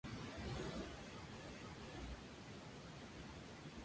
Ellos simplemente lo acumulan todo.